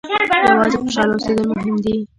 یوازې خوشاله اوسېدل مهم دي.